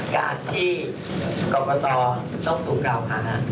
การที่กรอบกระต่อต้องถูกกล่าวค้า